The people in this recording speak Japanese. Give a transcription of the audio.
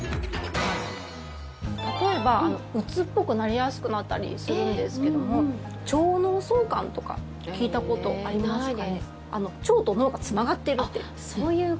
例えばうつっぽくなりやすくなったりするんですけども腸脳相関とか聞いたことありますかね？